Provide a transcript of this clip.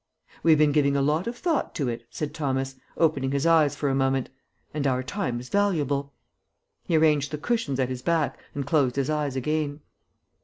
"We've been giving a lot of thought to it," said Thomas, opening his eyes for a moment. "And our time is valuable." He arranged the cushions at his back and closed his eyes again.